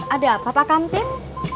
ada apa pak kantip